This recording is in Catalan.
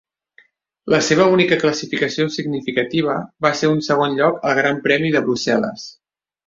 La seva única classificació significativa va ser un segon lloc al Gran Premi de Brussel·les.